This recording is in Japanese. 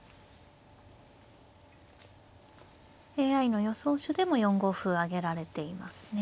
ＡＩの予想手でも４五歩挙げられていますね。